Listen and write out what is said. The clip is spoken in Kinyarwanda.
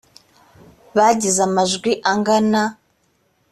bagize amajwi angana.